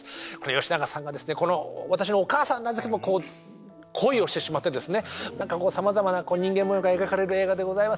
吉永さんが私のお母さんですけど恋をしてしまってさまざまな人間模様が描かれる映画でございます。